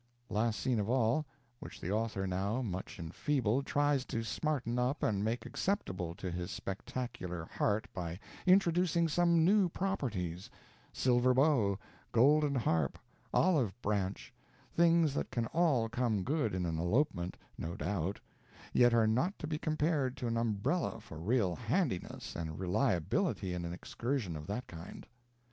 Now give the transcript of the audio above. Last scene of all, which the author, now much enfeebled, tries to smarten up and make acceptable to his spectacular heart by introducing some new properties silver bow, golden harp, olive branch things that can all come good in an elopement, no doubt, yet are not to be compared to an umbrella for real handiness and reliability in an excursion of that kind.